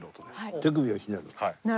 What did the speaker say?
手首をひねる。